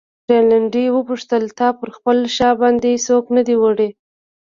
رینالډي وپوښتل: تا پر خپله شا باندې څوک نه دی وړی؟